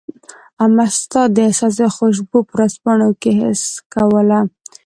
امه ستا د احساس خوشبو په ورځپاڼو کي حس کول